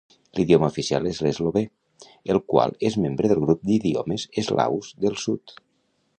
L'idioma oficial és l'eslovè, el qual és membre del grup d'idiomes eslaus del sud.